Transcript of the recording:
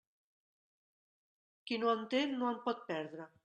Qui no en té, no en pot perdre.